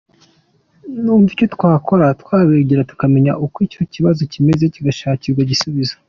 Numva icyo twakora twabegera tukamenya uko icyo kibazo kimeze kigashakirwa igisubizo.